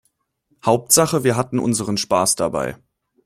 Hauptsache wir hatten unseren Spaß dabei.